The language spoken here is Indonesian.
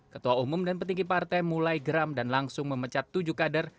ketua umum dan petinggi partai mulai geram dan langsung memecat tujuh kader